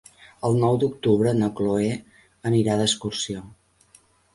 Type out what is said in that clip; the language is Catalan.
El nou d'octubre na Cloè anirà d'excursió.